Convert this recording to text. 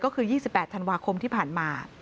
ก็คือ๒๘ธันวาคมที่ผ่านมา